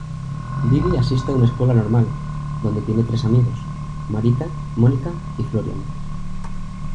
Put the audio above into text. Bibi asiste a una escuela normal, donde tiene tres amigos, Marita, Monika, y Florian.